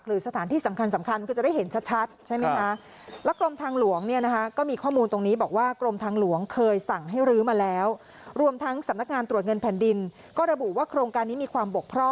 สถานที่สำคัญคือจะได้เห็นชัดใช่ไหมคะ